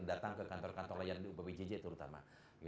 datang ke kantor kantor lain di upbjj terutama